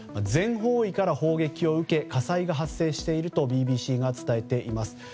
全方位から砲撃を受け火災が発生しているとＢＢＣが伝えています。